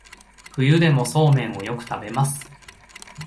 冬でもそうめんをよく食べます